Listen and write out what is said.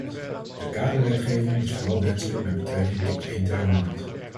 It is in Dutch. De kaderwetgeving is vooral wenselijk met betrekking tot de interne markt.